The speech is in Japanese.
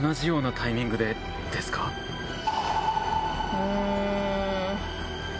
うん。